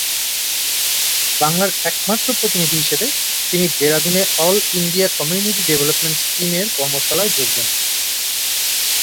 বাংলার একমাত্র প্রতিনিধি হিসাবে তিনি 'দেরাদুনে অল ইন্ডিয়া কমিউনিটি ডেভেলপমেন্ট স্কিম'-এর কর্মশালায় যোগ দেন।